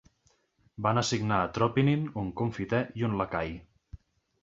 Van assignar a Tropinin un confiter i un lacai.